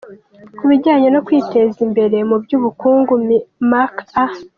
Ku bijyanye no kwiteza imbere mu by’ubukungu, Mark A.